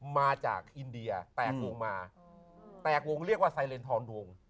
มาจากอินเดียแตกวงมาแตกวงเรียกว่าไซเรนทรวง